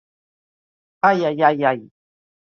Ai, ai, ai, ai!